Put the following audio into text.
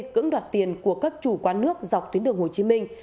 cưỡng đoạt tiền của các chủ quán nước dọc tuyến đường hồ chí minh